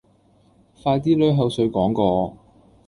快啲 𦧲 口水講過